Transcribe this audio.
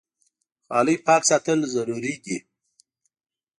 غالۍ پاک ساتل ضروري دي.